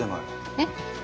えっ？